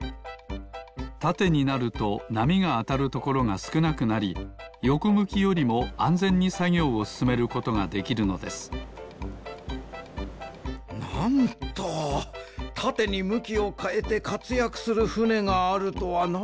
たてになるとなみがあたるところがすくなくなりよこむきよりもあんぜんにさぎょうをすすめることができるのですなんとたてにむきをかえてかつやくするふねがあるとはな。